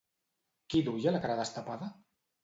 Qui duia la cara destapada?